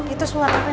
itu suara apa ya